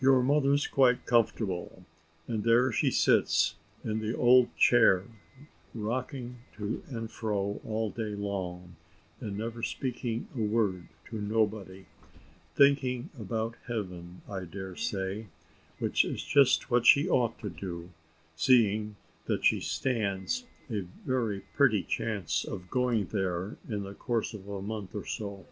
"Your mother's quite comfortable; and there she sits in the ould chair, rocking to and fro all day long, and never speaking a word to nobody, thinking about heaven, I dare to say; which is just what she ought to do, seeing that she stands a very pretty chance of going there in the course of a month or so.